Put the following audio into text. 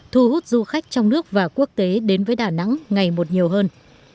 thu hút du khách trong nước và quốc tế đến với đà nẵng ngày một nhiều hơn